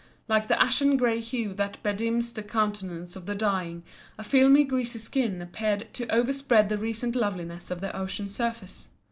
Like the ashen grey hue that bedims the countenance of the dying, a filmy greasy skin appeared to overspread the recent loveliness of the ocean surface.